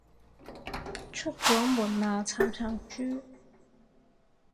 出咗門口喇，慘慘豬